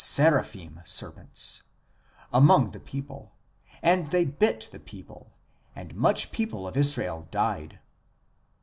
seraphim serpents) among the people, and they bit the people ; and much people of Israel died."